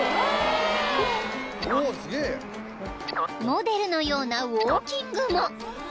［モデルのようなウオーキングも］